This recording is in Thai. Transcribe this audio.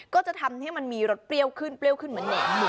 ก็จะทำให้มันมีรสเปรี้ยวขึ้นเปรี้ยวขึ้นเหมือนแหนม